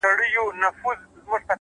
نیک اخلاق د انسان ښکلی میراث دی،